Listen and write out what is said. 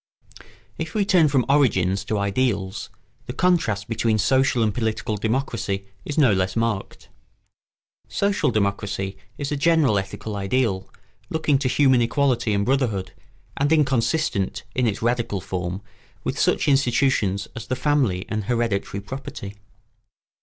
] If we turn from origins to ideals, the contrast between social and political democracy is no less marked. Social democracy is a general ethical ideal, looking to human equality and brotherhood, and inconsistent, in its radical form, with such institutions as the family and hereditary property.